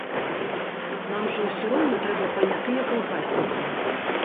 Нам жа ўсё роўна трэба панятыя калгаснікі.